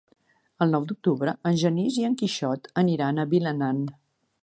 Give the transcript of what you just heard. El nou d'octubre en Genís i en Quixot aniran a Vilanant.